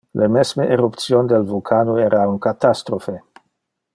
Le mesme eruption del vulcano era un catastrophe.